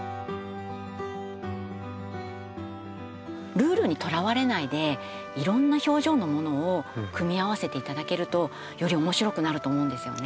ルールにとらわれないでいろんな表情のものを組み合わせていただけるとより面白くなると思うんですよね。